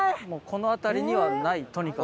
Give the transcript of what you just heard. この辺りにはない？